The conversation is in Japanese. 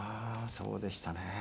そうでしたね。